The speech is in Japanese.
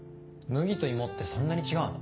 麦と芋ってそんなに違うの？